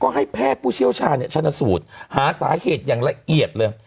ก็ให้แพทย์ผู้เชี่ยวชาญชนสูตรหาสาเหตุอย่างละเอียดเลย